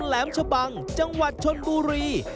แหลมชะบังจังหวัดชนบุรี